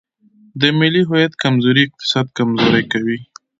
د ملي هویت کمزوري اقتصاد کمزوری کوي.